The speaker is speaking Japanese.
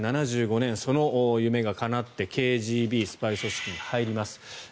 １９７５年、その夢がかなってＫＧＢ、スパイ組織に入ります。